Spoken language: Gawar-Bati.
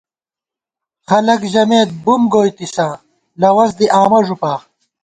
خلَک ژَمېت بُم گوئیتِساں، لوَنس دِی آمہ ݫُپا